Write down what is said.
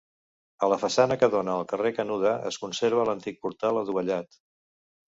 A la façana que dóna al carrer Canuda es conserva l'antic portal adovellat.